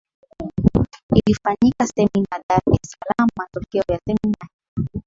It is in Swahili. ilifanyika semina Dar es Salaam Matokeo ya semina hiyo